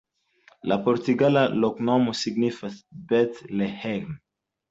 La portugala loknomo signifas: Bet-Leĥem.